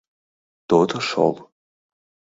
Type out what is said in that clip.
— То-то шол...